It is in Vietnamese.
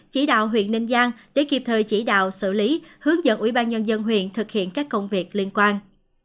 chỉ đạo huyện ninh giang để kịp thời chỉ đạo xử lý hướng dẫn ủy ban nhân dân huyện thực hiện các công việc liên quan